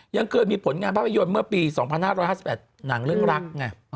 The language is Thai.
ยังเคยมีผลงานภาพยนตร์เมื่อปี๒๕๕๘หนังเรื่องรักไง